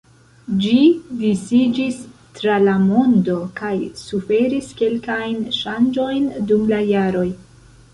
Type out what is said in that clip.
Ĝi disiĝis tra la mondo kaj suferis kelkajn ŝanĝojn dum la jaroj.